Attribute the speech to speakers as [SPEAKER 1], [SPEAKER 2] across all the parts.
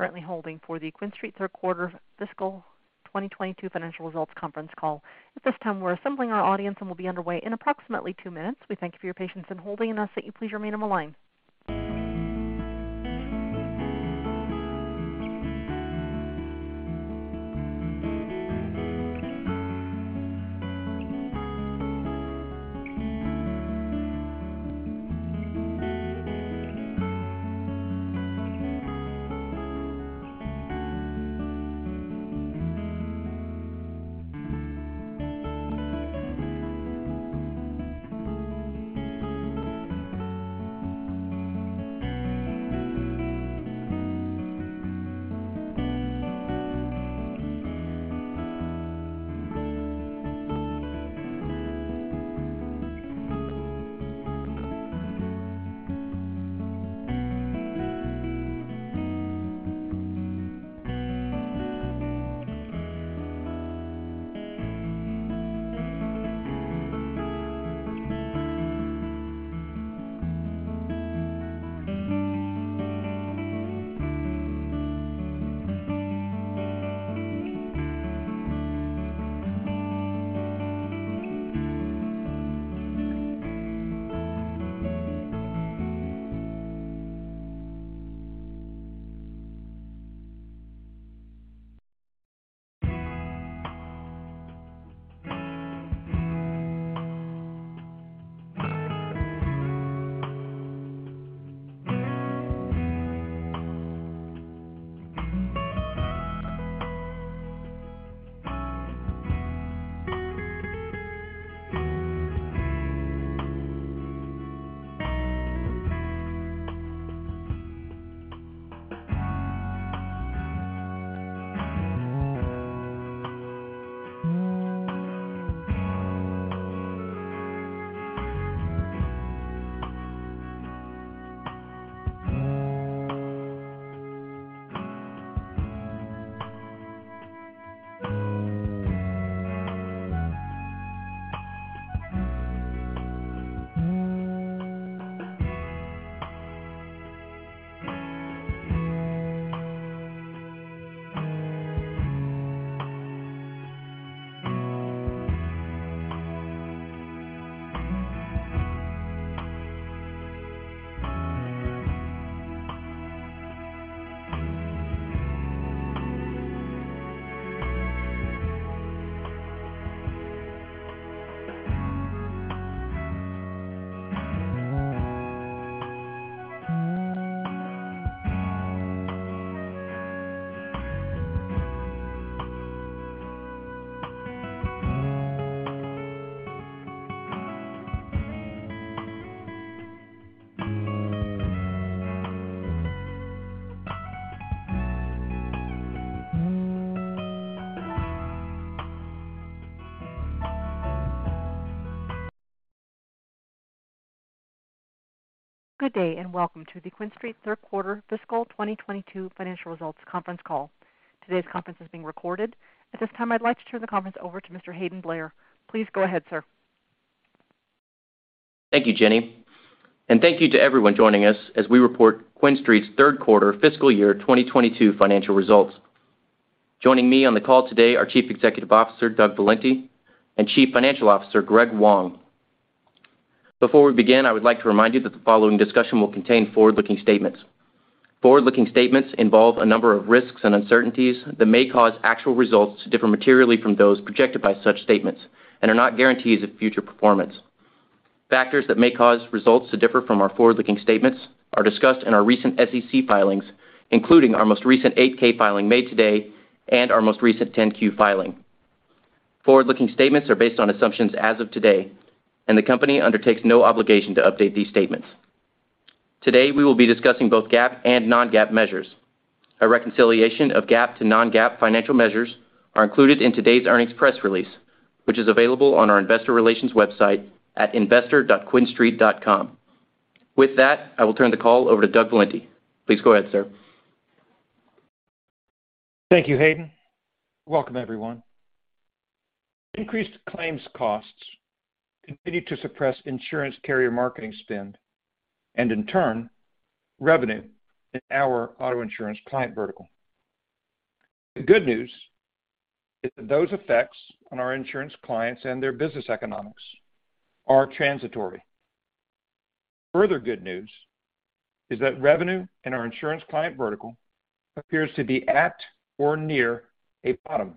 [SPEAKER 1] You're currently holding for the QuinStreet Q3 fiscal 2022 financial results conference call. At this time, we're assembling our audience and we'll be underway in approximately two minutes. We thank you for your patience in holding and ask that you please remain on the line. Good day, and welcome to the QuinStreet Q3 fiscal 2022 financial results conference call. Today's conference is being recorded. At this time, I'd like to turn the conference over to Mr. Hayden Blair. Please go ahead, sir.
[SPEAKER 2] Thank you, Jenny. Thank you to everyone joining us as we report QuinStreet's Q3 fiscal year 2022 financial results. Joining me on the call today are Chief Executive Officer Doug Valenti and Chief Financial Officer Greg Wong. Before we begin, I would like to remind you that the following discussion will contain forward-looking statements. Forward-looking statements involve a number of risks and uncertainties that may cause actual results to differ materially from those projected by such statements and are not guarantees of future performance. Factors that may cause results to differ from our forward-looking statements are discussed in our recent SEC filings, including our most recent 8-K filing made today and our most recent 10-Q filing. Forward-looking statements are based on assumptions as of today, and the company undertakes no obligation to update these statements. Today, we will be discussing both GAAP and non-GAAP measures. A reconciliation of GAAP to non-GAAP financial measures are included in today's earnings press release, which is available on our investor relations website at investor.quinstreet.com. With that, I will turn the call over to Doug Valenti. Please go ahead, sir.
[SPEAKER 3] Thank you, Hayden. Welcome, everyone. Increased claims costs continue to suppress insurance carrier marketing spend, and in turn, revenue in our auto insurance client vertical. The good news is that those effects on our insurance clients and their business economics are transitory. Further good news is that revenue in our insurance client vertical appears to be at or near a bottom.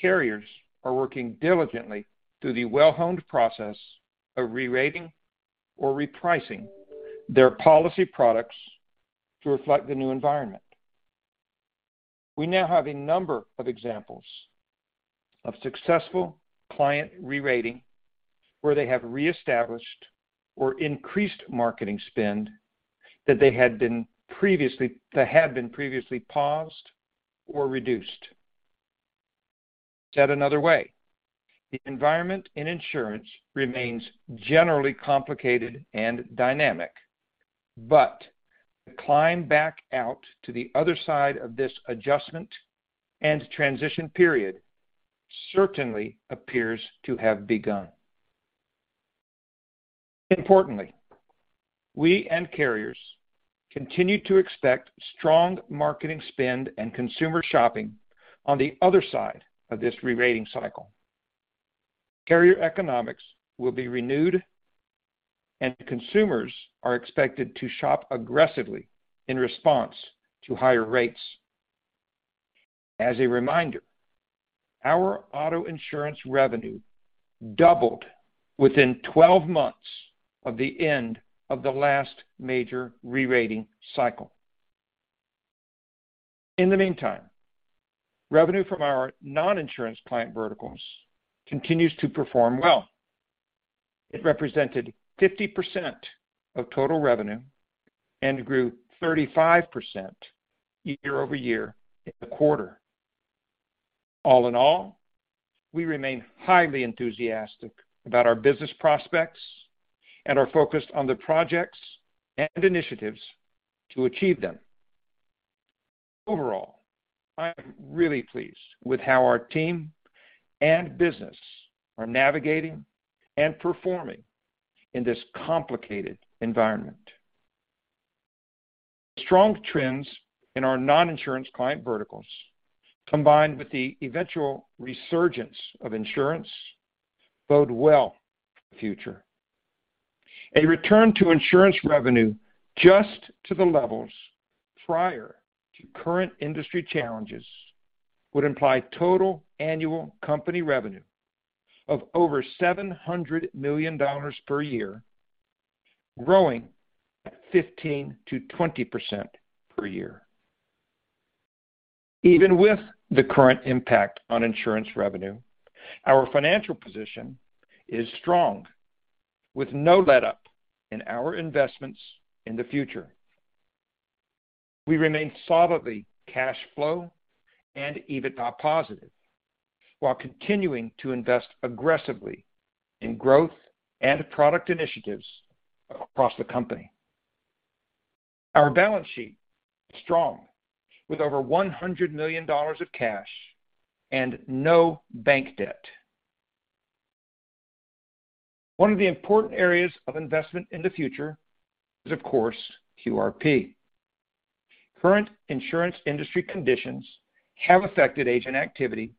[SPEAKER 3] Carriers are working diligently through the well-honed process of re-rating or repricing their policy products to reflect the new environment. We now have a number of examples of successful client re-rating, where they have reestablished or increased marketing spend that had been previously paused or reduced. Said another way, the environment in insurance remains generally complicated and dynamic, but the climb back out to the other side of this adjustment and transition period certainly appears to have begun. Importantly, we and carriers continue to expect strong marketing spend and consumer shopping on the other side of this re-rating cycle. Carrier economics will be renewed, and consumers are expected to shop aggressively in response to higher rates. As a reminder, our auto insurance revenue doubled within 12 months of the end of the last major re-rating cycle. In the meantime, revenue from our non-insurance client verticals continues to perform well. It represented 50% of total revenue and grew 35% year-over-year in the quarter. All in all, we remain highly enthusiastic about our business prospects and are focused on the projects and initiatives to achieve them. Overall, I am really pleased with how our team and business are navigating and performing in this complicated environment. Strong trends in our non-insurance client verticals, combined with the eventual resurgence of insurance, bode well for the future. A return to insurance revenue just to the levels prior to current industry challenges would imply total annual company revenue of over $700 million per year, growing at 15%-20% per year. Even with the current impact on insurance revenue, our financial position is strong with no letup in our investments in the future. We remain solidly cash flow and EBITDA positive while continuing to invest aggressively in growth and product initiatives across the company. Our balance sheet is strong with over $100 million of cash and no bank debt. One of the important areas of investment in the future is, of course, QRP. Current insurance industry conditions have affected agent activity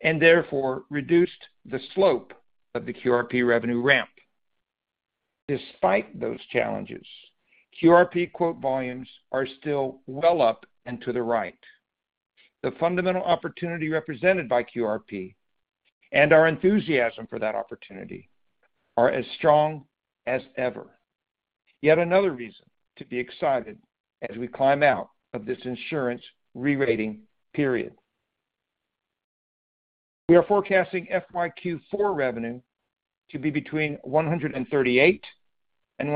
[SPEAKER 3] and therefore reduced the slope of the QRP revenue ramp. Despite those challenges, QRP quote volumes are still well up and to the right. The fundamental opportunity represented by QRP and our enthusiasm for that opportunity are as strong as ever. Yet another reason to be excited as we climb out of this insurance re-rating period. We are forecasting FQ4 revenue to be between $138 million and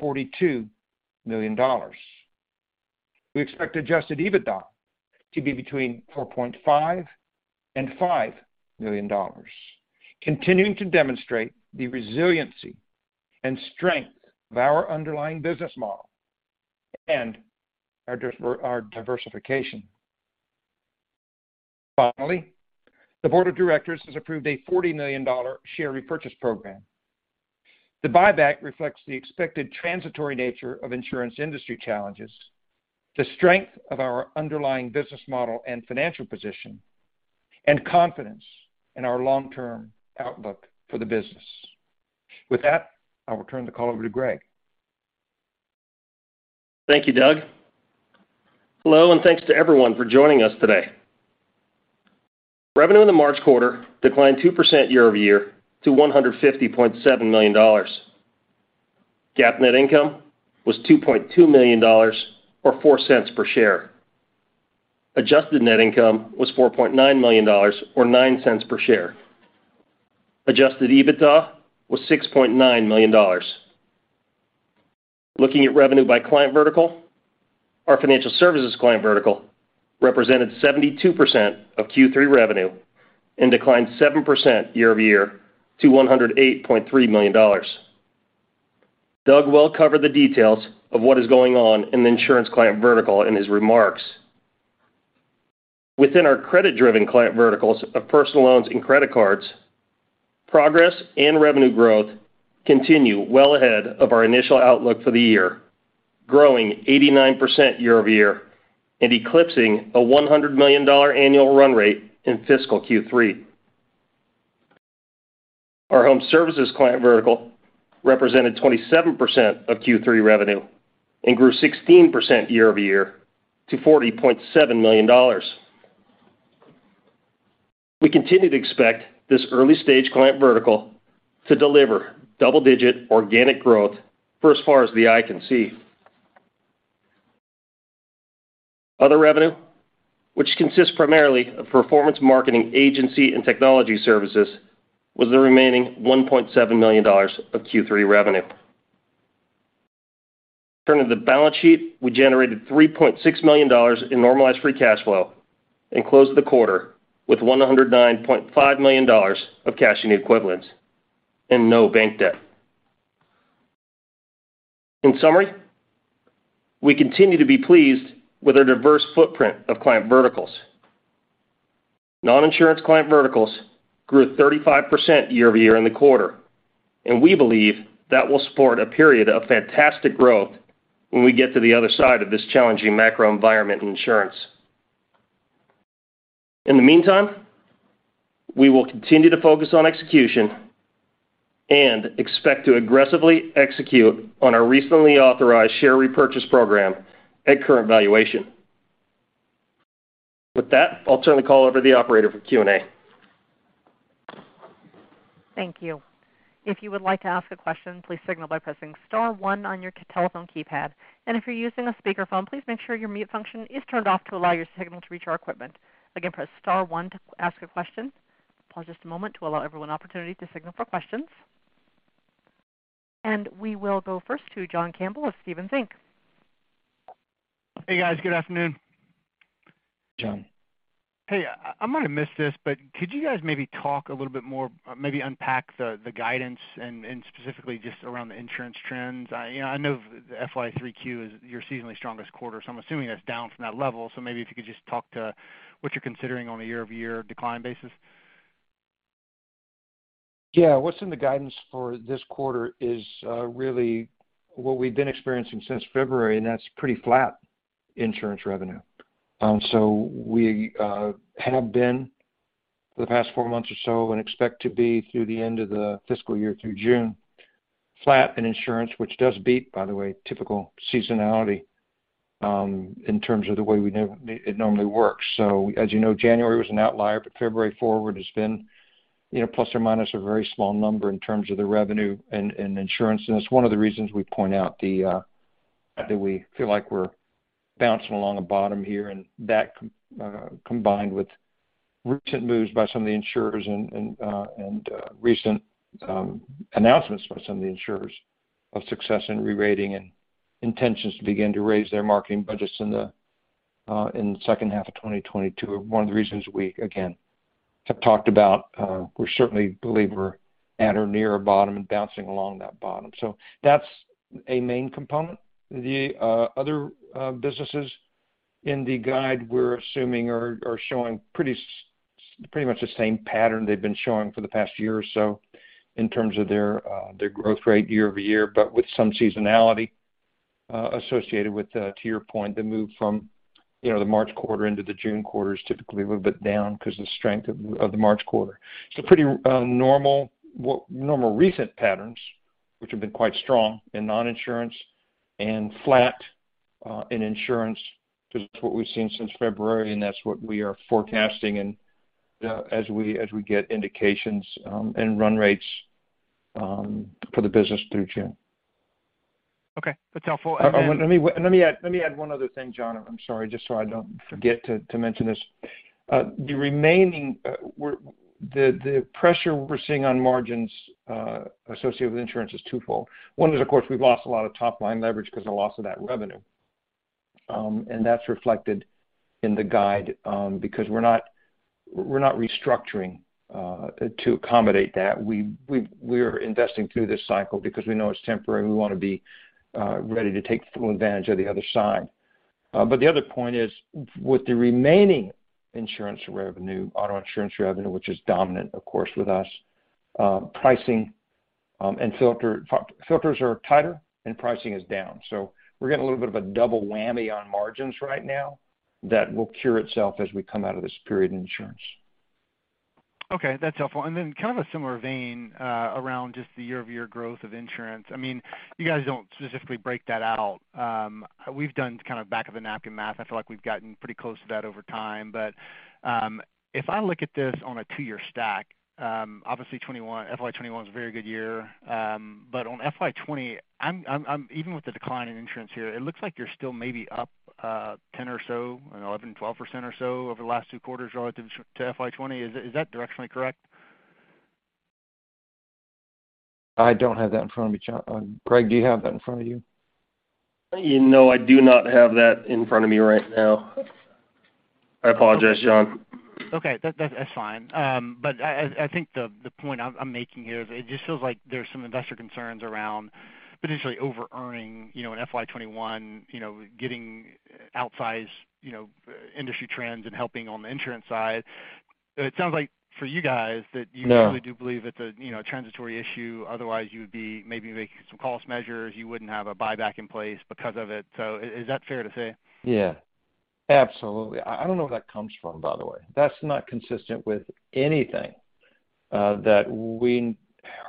[SPEAKER 3] $142 million. We expect adjusted EBITDA to be between $4.5 million and $5 million, continuing to demonstrate the resiliency and strength of our underlying business model and our diversification. Finally, the board of directors has approved a $40 million share repurchase program. The buyback reflects the expected transitory nature of insurance industry challenges, the strength of our underlying business model and financial position, and confidence in our long-term outlook for the business. With that, I will turn the call over to Greg.
[SPEAKER 4] Thank you, Doug. Hello, and thanks to everyone for joining us today. Revenue in the March quarter declined 2% year-over-year to $150.7 million. GAAP net income was $2.2 million or $0.04 per share. Adjusted net income was $4.9 million or $0.09 per share. Adjusted EBITDA was $6.9 million. Looking at revenue by client vertical, our financial services client vertical represented 72% of Q3 revenue and declined 7% year-over-year to $108.3 million. Doug well covered the details of what is going on in the insurance client vertical in his remarks. Within our credit-driven client verticals of personal loans and credit cards, progress and revenue growth continue well ahead of our initial outlook for the year, growing 89% year-over-year and eclipsing a $100 million annual run rate in fiscal Q3. Our home services client vertical represented 27% of Q3 revenue and grew 16% year-over-year to $40.7 million. We continue to expect this early-stage client vertical to deliver double-digit organic growth for as far as the eye can see. Other revenue, which consists primarily of performance marketing agency and technology services, was the remaining $1.7 million of Q3 revenue. Turning to the balance sheet, we generated $3.6 million in normalized free cash flow and closed the quarter with $109.5 million of cash and equivalents and no bank debt. In summary, we continue to be pleased with our diverse footprint of client verticals.
[SPEAKER 3] Non-insurance client verticals grew 35% year-over-year in the quarter, and we believe that will support a period of fantastic growth when we get to the other side of this challenging macro environment in insurance. In the meantime, we will continue to focus on execution and expect to aggressively execute on our recently authorized share repurchase program at current valuation. With that, I'll turn the call over to the operator for Q&A.
[SPEAKER 1] Thank you. If you would like to ask a question, please signal by pressing star one on your telephone keypad. If you're using a speakerphone, please make sure your mute function is turned off to allow your signal to reach our equipment. Again, press star one to ask a question. Pause just a moment to allow everyone an opportunity to signal for questions. We will go first to John Campbell of Stephens Inc.
[SPEAKER 5] Hey, guys. Good afternoon.
[SPEAKER 3] John.
[SPEAKER 5] Hey, I might have missed this, but could you guys maybe talk a little bit more, maybe unpack the guidance and specifically just around the insurance trends? I you know, I know FY3Q is your seasonally strongest quarter, so I'm assuming that's down from that level. Maybe if you could just talk to what you're considering on a year-over-year decline basis.
[SPEAKER 3] Yeah. What's in the guidance for this quarter is really what we've been experiencing since February, and that's pretty flat insurance revenue. We have been for the past four months or so and expect to be through the end of the fiscal year through June, flat in insurance, which does beat, by the way, typical seasonality in terms of the way we know it normally works. As you know, January was an outlier, but February forward has been, you know, plus or minus a very small number in terms of the revenue and insurance. It's one of the reasons we point out that we feel like we're bouncing along a bottom here. That combined with recent moves by some of the insurers and recent announcements by some of the insurers of success in re-rating and intentions to begin to raise their marketing budgets in the second half of 2022 are one of the reasons we, again, have talked about, we certainly believe we're at or near a bottom and bouncing along that bottom. That's a main component. The other businesses in the guide we're assuming are showing pretty much the same pattern they've been showing for the past year or so in terms of their growth rate year-over-year, but with some seasonality associated with to your point, the move from, you know, the March quarter into the June quarter is typically a little bit down 'cause the strength of the March quarter. It's a pretty normal recent patterns, which have been quite strong in non-insurance and flat in insurance. This is what we've seen since February, and that's what we are forecasting and as we get indications and run rates for the business through June.
[SPEAKER 5] Okay. That's helpful. Then-
[SPEAKER 3] Let me add one other thing, John. I'm sorry, just so I don't forget to mention this. The pressure we're seeing on margins associated with insurance is twofold. One is, of course, we've lost a lot of top-line leverage 'cause of the loss of that revenue. And that's reflected in the guide, because we're not restructuring to accommodate that. We're investing through this cycle because we know it's temporary, and we wanna be ready to take full advantage of the other side. But the other point is with the remaining insurance revenue, auto insurance revenue, which is dominant of course with us, pricing and filter. Filters are tighter and pricing is down. We're getting a little bit of a double whammy on margins right now that will cure itself as we come out of this period in insurance.
[SPEAKER 5] Okay, that's helpful. In a similar vein, around just the year-over-year growth of insurance. I mean, you guys don't specifically break that out. We've done kind of back of the napkin math. I feel like we've gotten pretty close to that over time. If I look at this on a two-year stack, obviously 2021, FY 2021 is a very good year. On FY 2020, even with the decline in insurance here, it looks like you're still maybe up 10% or so, you know, 11%, 12% or so over the last two quarters relative to FY 2020. Is that directionally correct?
[SPEAKER 3] I don't have that in front of me, John. Greg, do you have that in front of you?
[SPEAKER 4] No, I do not have that in front of me right now. I apologize, John.
[SPEAKER 5] Okay. That's fine. I think the point I'm making here is it just feels like there's some investor concerns around potentially overearning, you know, in FY '21, you know, getting outsized, you know, industry trends and helping on the insurance side. It sounds like for you guys that you.
[SPEAKER 3] No.
[SPEAKER 5] really do believe it's a, you know, transitory issue, otherwise you would be maybe making some cost measures, you wouldn't have a buyback in place because of it. Is that fair to say?
[SPEAKER 3] Yeah. Absolutely. I don't know where that comes from, by the way. That's not consistent with anything that we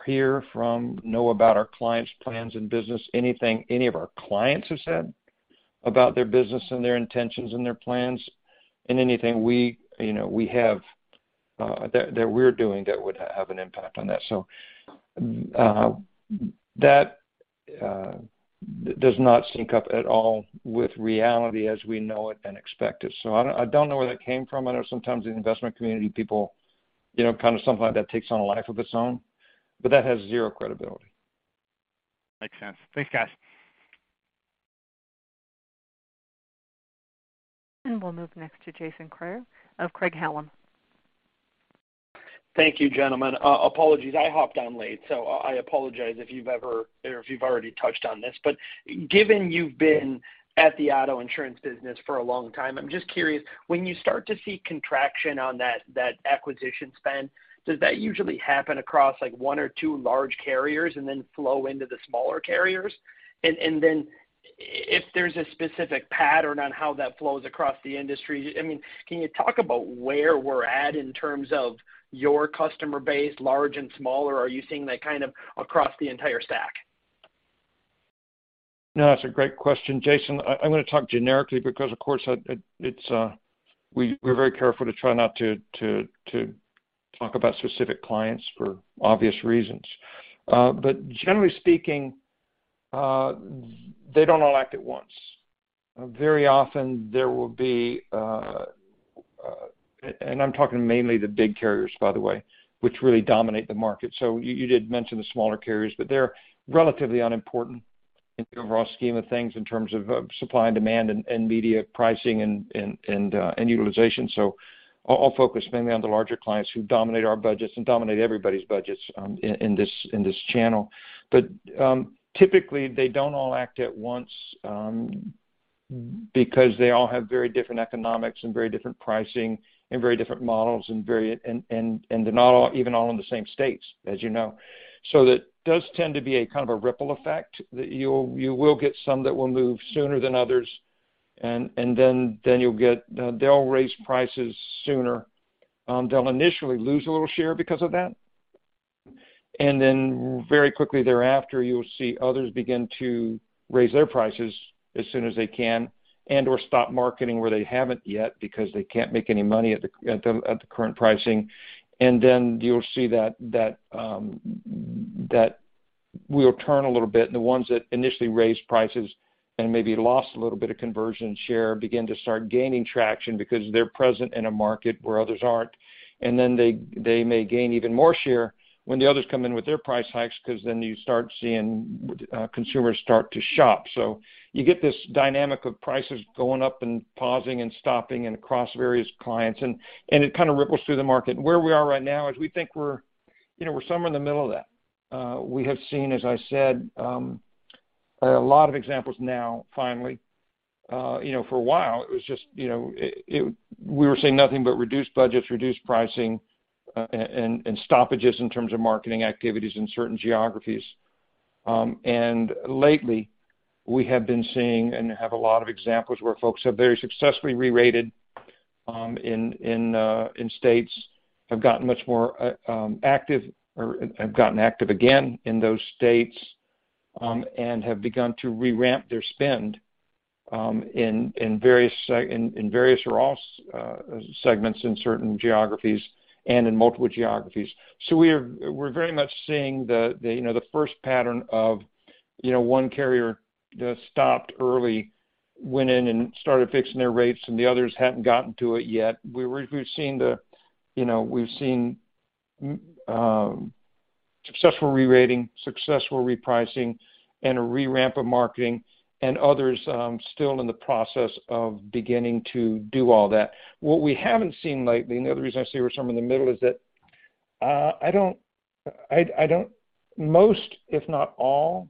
[SPEAKER 3] hear from, know about our clients' plans and business, anything any of our clients have said about their business and their intentions and their plans and anything we, you know, we have that we're doing that would have an impact on that. That does not sync up at all with reality as we know it and expect it. I don't know where that came from. I know sometimes in the investment community, people, you know, kind of something like that takes on a life of its own, but that has zero credibility.
[SPEAKER 5] Makes sense. Thanks, guys.
[SPEAKER 1] We'll move next to Jason Kreyer of Craig-Hallum.
[SPEAKER 6] Thank you, gentlemen. Apologies I hopped on late, so I apologize if you've already touched on this. Given you've been at the auto insurance business for a long time, I'm just curious, when you start to see contraction on that acquisition spend, does that usually happen across, like one or two large carriers and then flow into the smaller carriers? If there's a specific pattern on how that flows across the industry, I mean, can you talk about where we're at in terms of your customer base, large and smaller? Are you seeing that kind of across the entire stack?
[SPEAKER 3] No, that's a great question, Jason. I'm gonna talk generically because of course, we're very careful to try not to talk about specific clients for obvious reasons. Generally speaking, they don't all act at once. I'm talking mainly the big carriers, by the way, which really dominate the market. You did mention the smaller carriers, but they're relatively unimportant in the overall scheme of things in terms of supply and demand and media pricing and utilization. I'll focus mainly on the larger clients who dominate our budgets and dominate everybody's budgets in this channel. Typically, they don't all act at once, because they all have very different economics and very different pricing and very different models and they're not all even in the same states, as you know. That does tend to be a kind of a ripple effect that you will get some that will move sooner than others, and then you'll get, they'll raise prices sooner. They'll initially lose a little share because of that. Very quickly thereafter, you'll see others begin to raise their prices as soon as they can and/or stop marketing where they haven't yet because they can't make any money at the current pricing. Then you'll see that will turn a little bit, and the ones that initially raised prices and maybe lost a little bit of conversion share begin to start gaining traction because they're present in a market where others aren't. Then they may gain even more share when the others come in with their price hikes 'cause then you start seeing consumers start to shop. You get this dynamic of prices going up and pausing and stopping and across various clients, and it kind of ripples through the market. Where we are right now is we think we're, you know, we're somewhere in the middle of that. We have seen, as I said, a lot of examples now, finally. You know, for a while, it was just, you know, we were seeing nothing but reduced budgets, reduced pricing, and stoppages in terms of marketing activities in certain geographies. Lately, we have been seeing and have a lot of examples where folks have very successfully rerated in states, have gotten much more active or have gotten active again in those states, and have begun to re-ramp their spend in various segments in certain geographies and in multiple geographies. We're very much seeing the first pattern of one carrier that stopped early, went in and started fixing their rates, and the others hadn't gotten to it yet. We've seen the, you know, successful rerating, successful repricing, and a re-ramp of marketing and others, still in the process of beginning to do all that. What we haven't seen lately, and the other reason I say we're somewhere in the middle, is that most, if not all,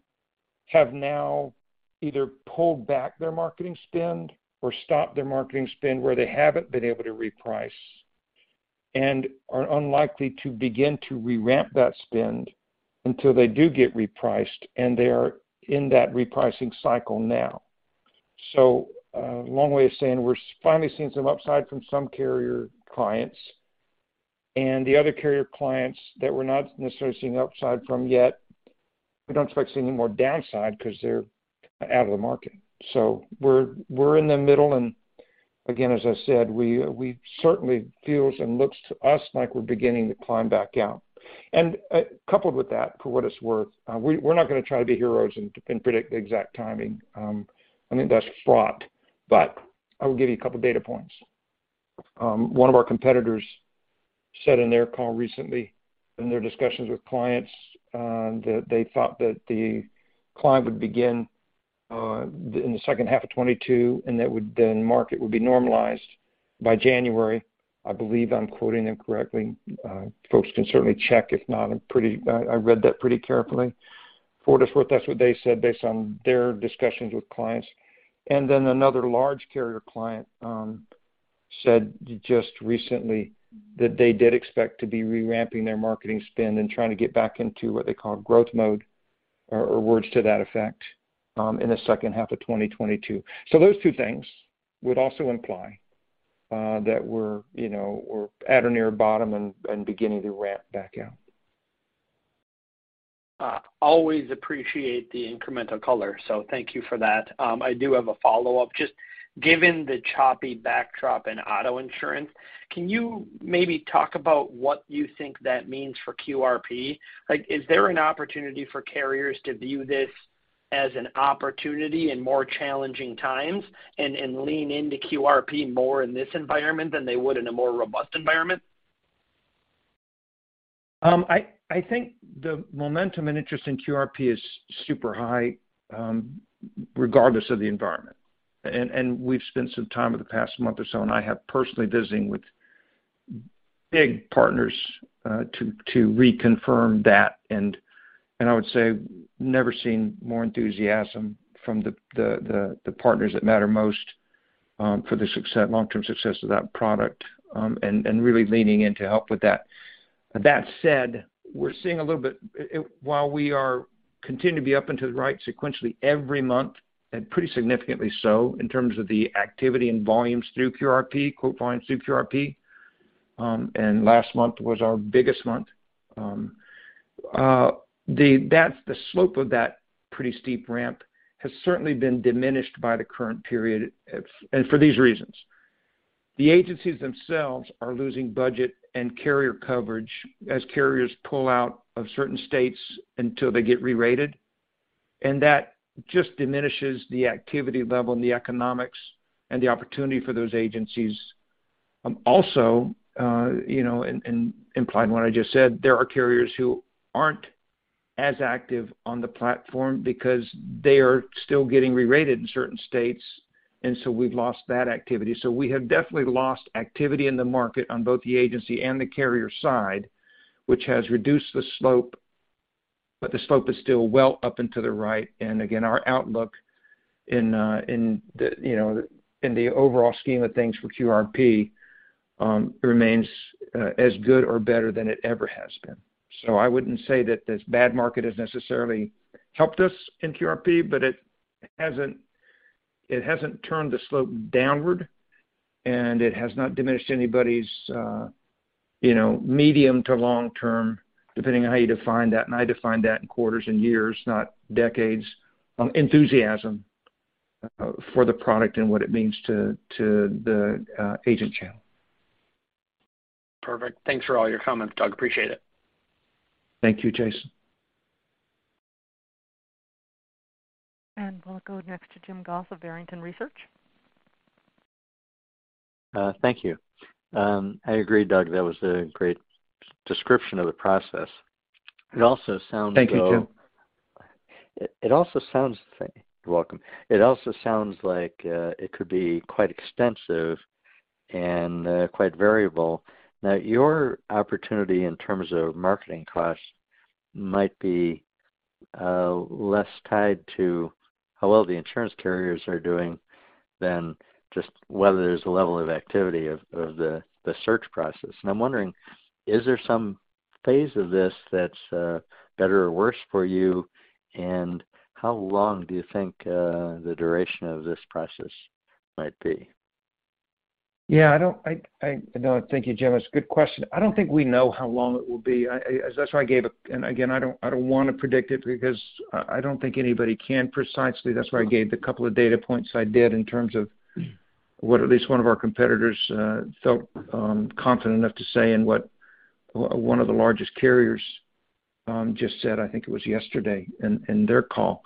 [SPEAKER 3] have now either pulled back their marketing spend or stopped their marketing spend where they haven't been able to reprice and are unlikely to begin to re-ramp that spend until they do get repriced, and they are in that repricing cycle now. Long way of saying we're finally seeing some upside from some carrier clients. The other carrier clients that we're not necessarily seeing upside from yet, we don't expect to see any more downside 'cause they're out of the market. We're in the middle. Again, as I said, it certainly feels and looks to us like we're beginning to climb back out. Coupled with that, for what it's worth, we're not gonna try to be heroes and predict the exact timing. I think that's fraught, but I will give you a couple data points. One of our competitors said in their call recently in their discussions with clients that they thought that the climb would begin in the second half of 2022, and that the market would be normalized by January. I believe I'm quoting them correctly. Folks can certainly check if not. I'm pretty sure I read that pretty carefully. For what it's worth, that's what they said based on their discussions with clients. Then another large carrier client said just recently that they did expect to be re-ramping their marketing spend and trying to get back into what they call growth mode or words to that effect in the second half of 2022. Those two things would also imply that we're, you know, at or near bottom and beginning to ramp back out.
[SPEAKER 6] Always appreciate the incremental color, so thank you for that. I do have a follow-up. Just given the choppy backdrop in auto insurance, can you maybe talk about what you think that means for QRP? Like, is there an opportunity for carriers to view this as an opportunity in more challenging times and lean into QRP more in this environment than they would in a more robust environment?
[SPEAKER 3] I think the momentum and interest in QRP is super high, regardless of the information environment. We've spent some time over the past month or so, and I have personally visiting with big partners to reconfirm that, and I would say never seen more enthusiasm from the partners that matter most for the long-term success of that product, and really leaning in to help with that. That said, we're seeing a little bit while we are continuing to be up into the right sequentially every month, and pretty significantly so in terms of the activity and volumes through QRP, quote-unquote, "through QRP," and last month was our biggest month. That's the slope of that pretty steep ramp has certainly been diminished by the current period. The agencies themselves are losing budget and carrier coverage as carriers pull out of certain states until they get rerated. That just diminishes the activity level and the economics and the opportunity for those agencies. Also, you know, and implying what I just said, there are carriers who aren't as active on the platform because they are still getting rerated in certain states, and so we've lost that activity. We have definitely lost activity in the market on both the agency and the carrier side, which has reduced the slope. The slope is still well up and to the right. Again, our outlook in the overall scheme of things for QRP remains as good or better than it ever has been. I wouldn't say that this bad market has necessarily helped us in QRP, but it hasn't turned the slope downward, and it has not diminished anybody's, you know, medium to long-term, depending on how you define that, and I define that in quarters and years, not decades, enthusiasm for the product and what it means to the agent channel.
[SPEAKER 6] Perfect. Thanks for all your comments, Doug. Appreciate it.
[SPEAKER 3] Thank you, Jason.
[SPEAKER 1] We'll go next to Jim Goss of Barrington Research.
[SPEAKER 7] Thank you. I agree, Doug, that was a great description of the process. It also sounds, though-
[SPEAKER 3] Thank you, Jim.
[SPEAKER 7] It also sounds like it could be quite extensive and quite variable. You're welcome. Now, your opportunity in terms of marketing costs might be less tied to how well the insurance carriers are doing than just whether there's a level of activity of the search process. I'm wondering, is there some phase of this that's better or worse for you, and how long do you think the duration of this process might be?
[SPEAKER 3] Yeah, no, thank you, Jim. That's a good question. I don't think we know how long it will be. I don't wanna predict it because I don't think anybody can precisely. That's why I gave the couple of data points I did in terms of what at least one of our competitors felt confident enough to say and what one of the largest carriers just said. I think it was yesterday in their call.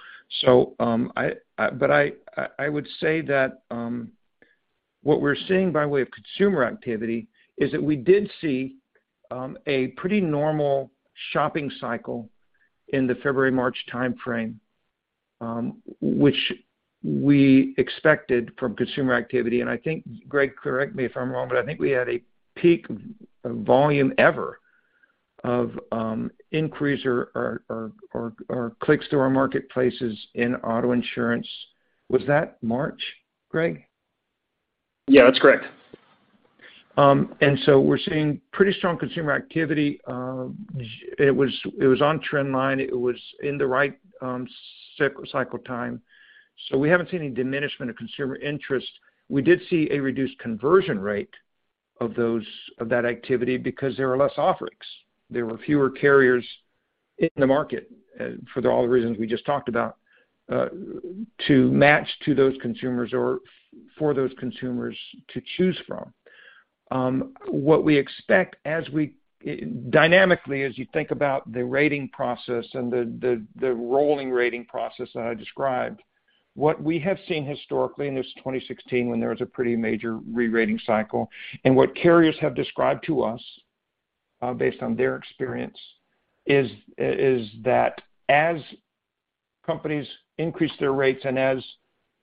[SPEAKER 3] But I would say that what we're seeing by way of consumer activity is that we did see a pretty normal shopping cycle in the February-March timeframe, which we expected from consumer activity. I think, Greg, correct me if I'm wrong, but I think we had a peak volume ever of increase or clicks to our marketplaces in auto insurance. Was that March, Greg?
[SPEAKER 4] Yeah, that's correct.
[SPEAKER 3] We're seeing pretty strong consumer activity. It was on trend line. It was in the right cycle time. We haven't seen any diminishment of consumer interest. We did see a reduced conversion rate of that activity because there are less offerings. There were fewer carriers in the market for all the reasons we just talked about to match to those consumers or for those consumers to choose from. What we expect as we Dynamically, as you think about the rating process and the rolling rating process that I described, what we have seen historically, and it was 2016 when there was a pretty major rerating cycle, and what carriers have described to us, based on their experience, is that as companies increase their rates and as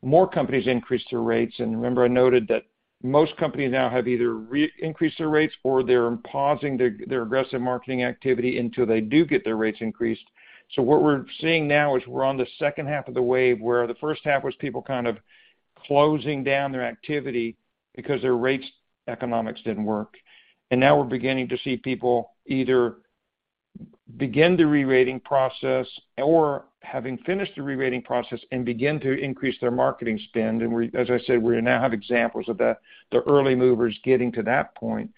[SPEAKER 3] more companies increase their rates, and remember I noted that most companies now have either increased their rates or they're pausing their aggressive marketing activity until they do get their rates increased. What we're seeing now is we're on the second half of the wave, where the first half was people kind of closing down their activity because their rates economics didn't work. Now we're beginning to see people either begin the rerating process or having finished the rerating process and begin to increase their marketing spend. We're, as I said, we now have examples of the early movers getting to that point.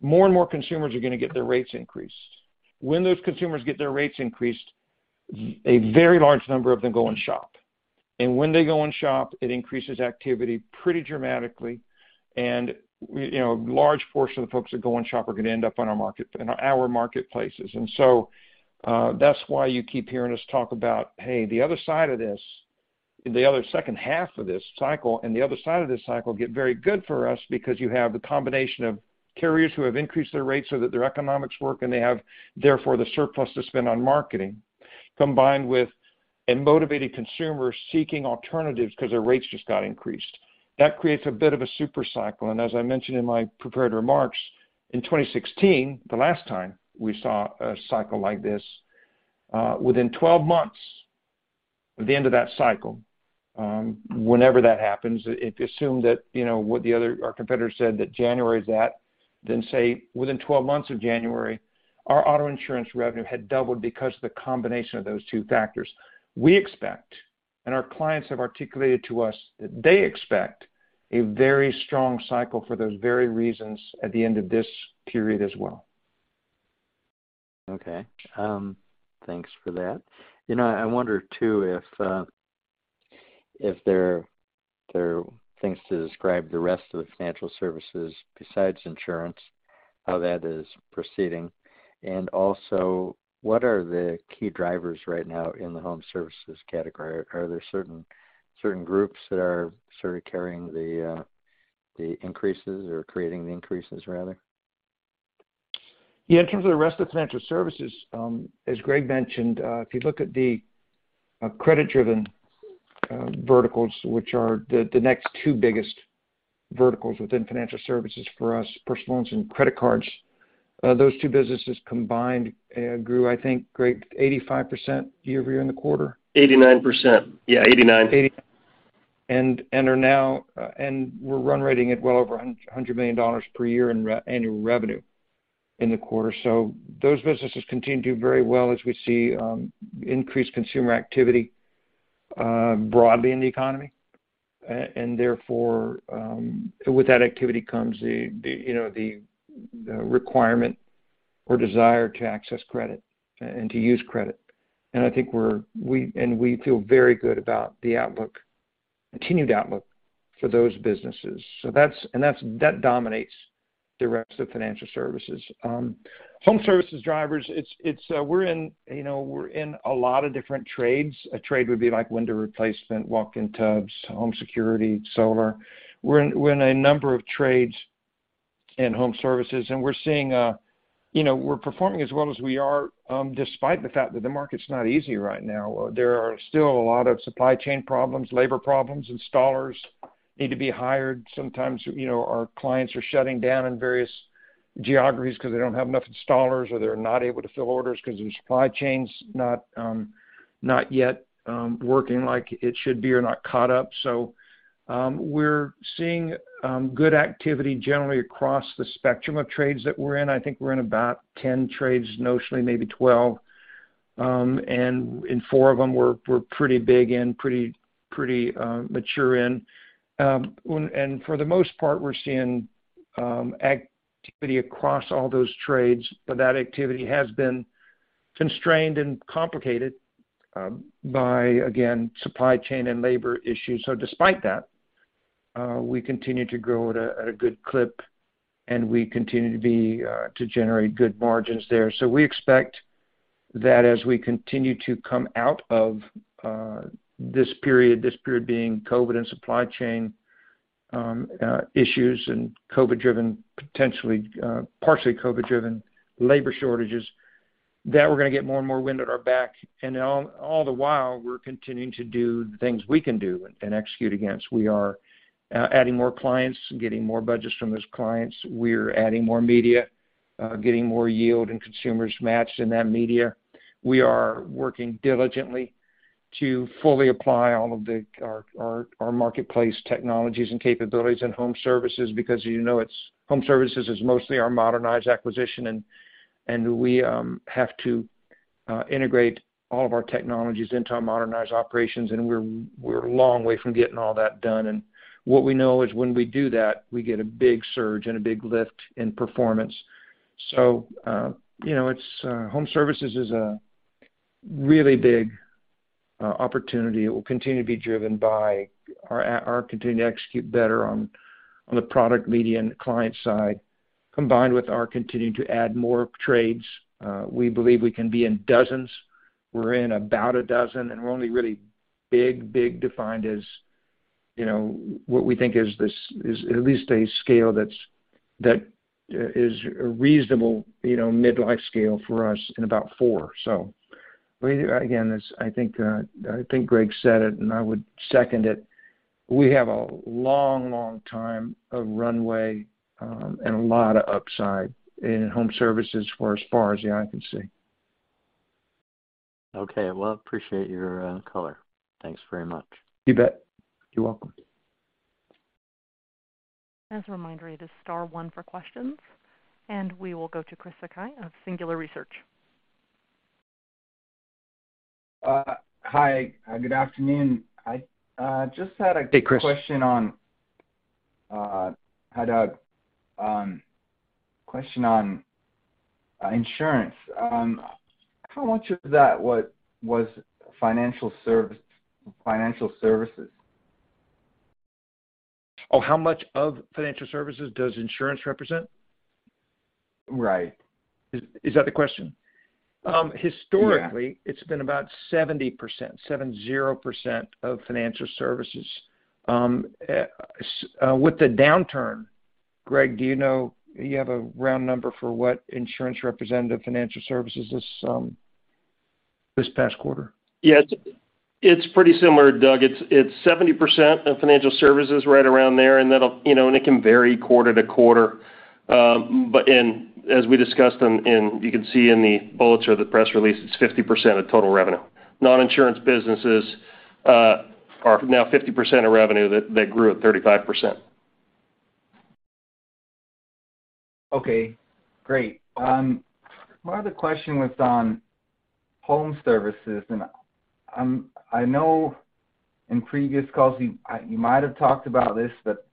[SPEAKER 3] More and more consumers are gonna get their rates increased. When those consumers get their rates increased, a very large number of them go and shop. When they go and shop, it increases activity pretty dramatically. We, you know, large portion of the folks that go and shop are gonna end up on our market, in our marketplaces. That's why you keep hearing us talk about, hey, the other side of this cycle and the second half of this cycle get very good for us because you have the combination of carriers who have increased their rates so that their economics work, and they have, therefore, the surplus to spend on marketing, combined with a motivated consumer seeking alternatives because their rates just got increased. That creates a bit of a super cycle. As I mentioned in my prepared remarks, in 2016, the last time we saw a cycle like this, within 12 months at the end of that cycle, whenever that happens, if you assume that, you know, what our competitor said that January is that, then say within 12 months of January, our auto insurance revenue had doubled because of the combination of those two factors. We expect, and our clients have articulated to us that they expect a very strong cycle for those very reasons at the end of this period as well.
[SPEAKER 7] Okay. Thanks for that. You know, I wonder too if there are things to describe the rest of the financial services besides insurance, how that is proceeding. Also, what are the key drivers right now in the home services category? Are there certain groups that are sort of carrying the increases or creating the increases, rather?
[SPEAKER 3] Yeah. In terms of the rest of financial services, as Greg mentioned, if you look at the credit-driven verticals, which are the next two biggest verticals within financial services for us, personal loans and credit cards, those two businesses combined grew, I think, Greg, 85% year-over-year in the quarter.
[SPEAKER 4] 89%. Yeah, 89%.
[SPEAKER 3] 80%. We are now running at well over $100 million per year in annual revenue in the quarter. Those businesses continue to do very well as we see increased consumer activity broadly in the economy. Therefore, with that activity comes the, you know, the requirement or desire to access credit and to use credit. I think we feel very good about the outlook, continued outlook for those businesses. That dominates the rest of financial services. Home services drivers, it's we're in, you know, a lot of different trades. A trade would be like window replacement, walk-in tubs, home security, solar. We're in a number of trades in home services, and we're seeing, you know, we're performing as well as we are, despite the fact that the market's not easy right now. There are still a lot of supply chain problems, labor problems. Installers need to be hired. Sometimes, you know, our clients are shutting down in various geographies 'cause they don't have enough installers or they're not able to fill orders 'cause the supply chain's not yet working like it should be or not caught up. We're seeing good activity generally across the spectrum of trades that we're in. I think we're in about 10 trades, notionally maybe 12, and in four of them, we're pretty big in, pretty mature in. For the most part, we're seeing activity across all those trades, but that activity has been constrained and complicated by, again, supply chain and labor issues. Despite that, we continue to grow at a good clip, and we continue to generate good margins there. We expect that as we continue to come out of this period, this period being COVID and supply chain issues and COVID-driven, potentially, partially COVID-driven labor shortages, that we're gonna get more and more wind at our back. All the while, we're continuing to do the things we can do and execute against. We are adding more clients, getting more budgets from those clients. We're adding more media, getting more yield and consumers matched in that media. We are working diligently to fully apply all of our marketplace technologies and capabilities in home services because, you know, home services is mostly our modernized acquisition, and we have to integrate all of our technologies into our modernized operations, and we're a long way from getting all that done. What we know is when we do that, we get a big surge and a big lift in performance. You know, home services is a really big opportunity. It will continue to be driven by our continuing to execute better on the product media and the client side, combined with our continuing to add more trades. We believe we can be in dozens. We're in about a dozen, and we're only really big, defined as, you know, what we think is at least a scale that's a reasonable, you know, mid-size scale for us in about four. Again, I think Greg said it, and I would second it. We have a long time of runway, and a lot of upside in home services for as far as the eye can see.
[SPEAKER 7] Okay. Well, appreciate your color. Thanks very much.
[SPEAKER 3] You bet. You're welcome.
[SPEAKER 1] As a reminder, it is star one for questions, and we will go to Chris Sakai of Singular Research.
[SPEAKER 8] Hi, good afternoon. I just had
[SPEAKER 3] Hey, Chris
[SPEAKER 8] Had a question on insurance. How much of that was financial services?
[SPEAKER 3] Oh, how much of financial services does insurance represent?
[SPEAKER 8] Right.
[SPEAKER 3] Is that the question?
[SPEAKER 8] Yeah.
[SPEAKER 3] Historically, it's been about 70%, 70% of financial services. With the downturn, Greg, do you have a round number for what insurance represented of financial services this past quarter?
[SPEAKER 4] Yes. It's pretty similar, Doug. It's 70% of financial services right around there and that'll, you know, and it can vary quarter to quarter. As we discussed, you can see in the bullets or the press release, it's 50% of total revenue. Non-insurance businesses are now 50% of revenue that grew at 35%.
[SPEAKER 8] Okay, great. My other question was on home services. I know in previous calls you might have talked about this, but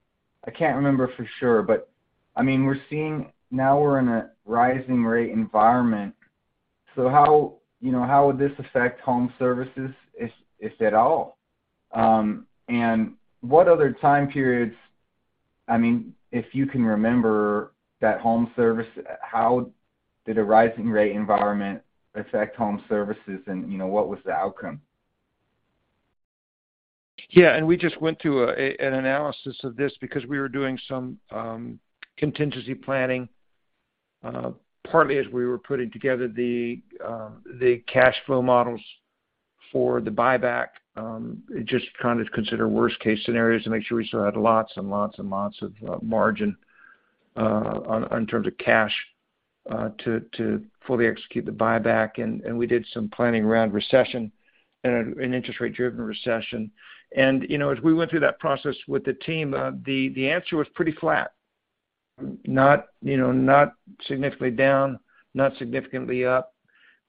[SPEAKER 8] I can't remember for sure. I mean, we're seeing now we're in a rising rate environment. How, you know, would this affect home services if at all? What other time periods? I mean, if you can remember that home service, how did a rising rate environment affect home services and, you know, what was the outcome?
[SPEAKER 3] Yeah. We just went through an analysis of this because we were doing some contingency planning, partly as we were putting together the cash flow models for the buyback, just to kind of consider worst case scenarios to make sure we still had lots of margin in terms of cash to fully execute the buyback. We did some planning around recession and an interest rate driven recession. You know, as we went through that process with the team, the answer was pretty flat. Not significantly down, not significantly up.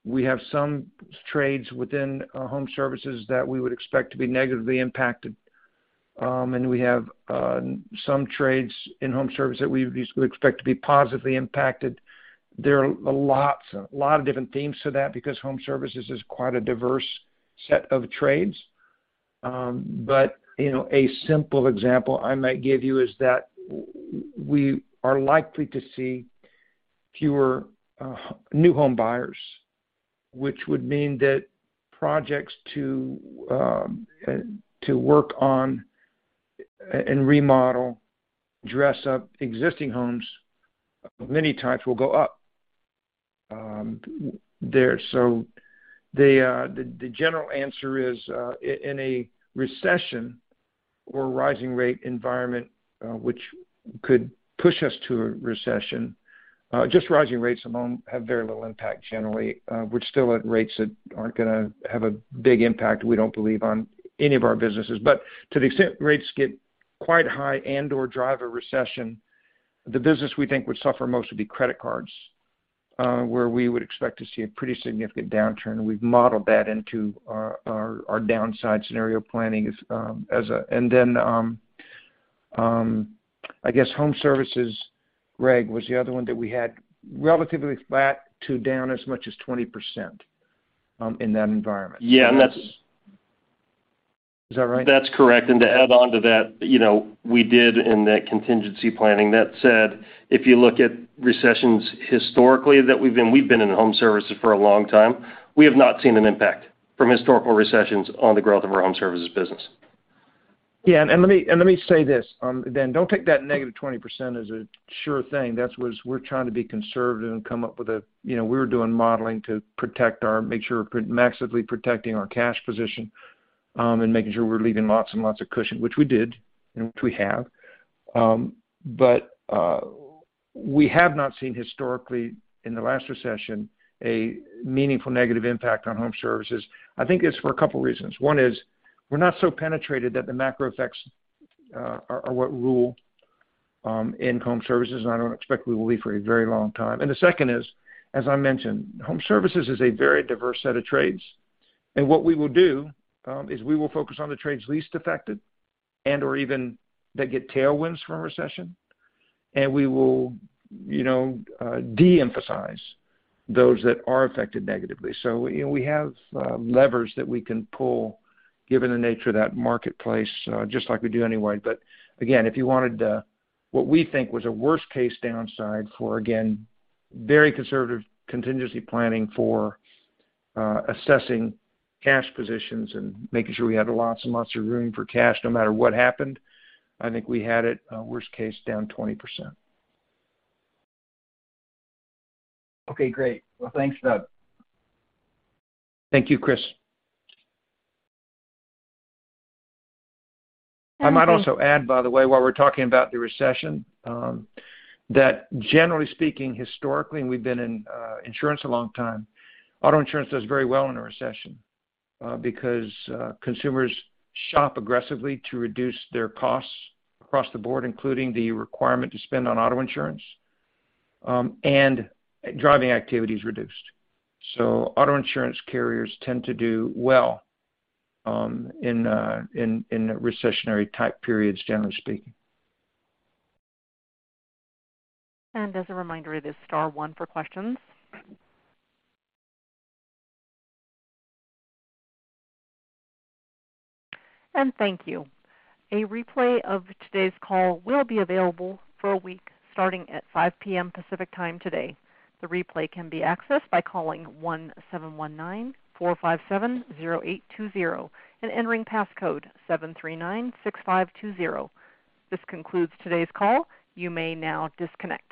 [SPEAKER 3] We have some trades within home services that we would expect to be negatively impacted. We have some trades in home services that we expect to be positively impacted. There are a lot of different themes to that because home services is quite a diverse set of trades. You know, a simple example I might give you is that we are likely to see fewer new home buyers, which would mean that projects to work on and remodel, dress up existing homes many times will go up there. The general answer is in a recession or rising rate environment, which could push us to a recession, just rising rates alone have very little impact generally. We're still at rates that aren't gonna have a big impact, we don't believe, on any of our businesses. To the extent rates get quite high and/or drive a recession, the business we think would suffer most would be credit cards, where we would expect to see a pretty significant downturn. We've modeled that into our downside scenario planning. I guess home services, Greg, was the other one that we had relatively flat to down as much as 20% in that environment.
[SPEAKER 4] Yeah.
[SPEAKER 3] Is that right?
[SPEAKER 4] That's correct. To add on to that, you know, we did in that contingency planning. That said, if you look at recessions historically that we've been in home services for a long time, we have not seen an impact from historical recessions on the growth of our home services business.
[SPEAKER 3] Yeah. Let me say this. Don't take that negative 20% as a sure thing. That was. We're trying to be conservative and come up with, you know, we were doing modeling to protect our cash position and making sure we're leaving lots and lots of cushion, which we did and which we have. We have not seen historically in the last recession a meaningful negative impact on home services. I think it's for a couple reasons. One is we're not so penetrated that the macro effects are what rule in home services, and I don't expect we will be for a very long time. The second is, as I mentioned, home services is a very diverse set of trades. What we will do is we will focus on the trades least affected and/or even that get tailwinds from a recession. We will, you know, de-emphasize those that are affected negatively. You know, we have levers that we can pull given the nature of that marketplace, just like we do anyway. Again, if you wanted what we think was a worst case downside for, again, very conservative contingency planning for assessing cash positions and making sure we had lots and lots of room for cash no matter what happened, I think we had it worst case down 20%.
[SPEAKER 8] Okay, great. Well, thanks, Doug.
[SPEAKER 3] Thank you, Chris. I might also add, by the way, while we're talking about the recession, that generally speaking, historically, and we've been in insurance a long time, auto insurance does very well in a recession, because consumers shop aggressively to reduce their costs across the board, including the requirement to spend on auto insurance, and driving activity is reduced. Auto insurance carriers tend to do well in recessionary type periods, generally speaking.
[SPEAKER 1] As a reminder, it is star one for questions. Thank you. A replay of today's call will be available for a week starting at 5 P.M. Pacific Time today. The replay can be accessed by calling 1-719-457-0820 and entering passcode 7396520. This concludes today's call. You may now disconnect.